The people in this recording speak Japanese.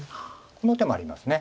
この手もあります。